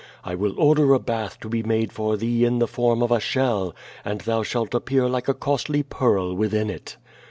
I will or der a bath to be made for thee in the form of a shell, and thou shalt appear like a costly pearl within it.